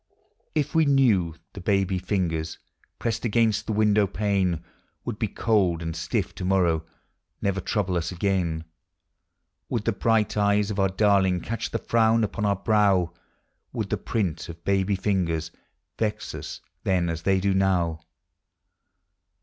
If we knew the baby fingers Tressed against the window pane Would be cold and stilt to morrow, — Never trouble us again; Digitized by Ooogle THE HOME. 279 Would the bright eyes of our darling Catch the frown upon our brow? Would the print of baby fingers Vex us then as they do now?